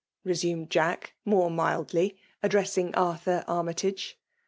*" resumed Jack' mote oaildly, addressing Arthur Armytage.